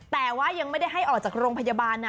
แต่ว่ายังไม่ได้ให้ออกจากโรงพยาบาลนะ